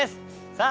さあ